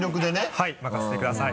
はい任せてください。